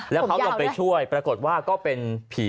แล้วเขาลงไปช่วยปรากฏว่าก็เป็นผี